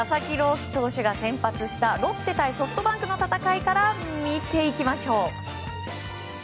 希投手が先発したロッテ対ソフトバンクの戦いから見ていきましょう。